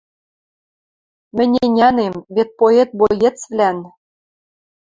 Мӹнь ӹнянем, вет поэт-боецвлӓн